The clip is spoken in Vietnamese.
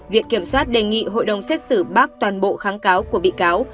viện kiểm soát đề nghị hội đồng xét xử bác toàn bộ kháng cáo của bị cáo